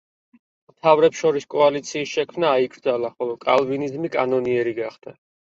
მთავრებს შორის კოალიციის შექმნა აიკრძალა, ხოლო კალვინიზმი კანონიერი გახდა.